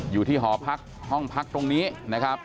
อยู่ที่หอพักห้องพักตรงนี้นะครับ